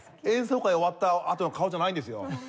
演奏会終わったあとの顔じゃないんですよ。